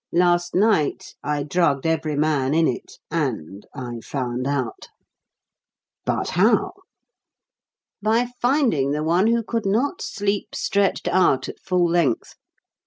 Last night I drugged every man in it, and I found out." "But how?" "By finding the one who could not sleep stretched out at full length.